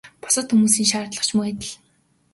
Бусад хүмүүсийн шаардлага ч мөн адил.